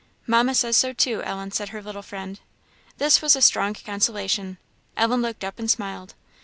"Mamma says so too, Ellen," said her little friend. This was strong consolation. Ellen looked up and smiled.